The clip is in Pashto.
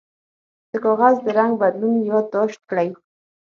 د کاغذ د رنګ بدلون یاد داشت کړئ.